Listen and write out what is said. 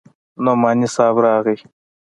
نعماني صاحب راغى.